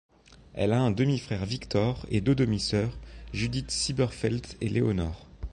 Elle a un demi-frère, Victor et deux demi-soeurs, Judith Silberfeld et Léonor.